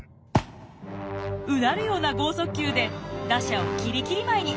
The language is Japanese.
うなるような豪速球で打者をきりきり舞いに。